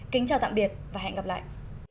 kính chào tạm biệt và hẹn gặp lại